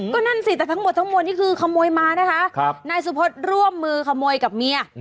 ก็นั่นสิแต่ทั้งหมดทั้งมวลนี่คือขโมยมานะคะนายสุพธร่วมมือขโมยกับเมีย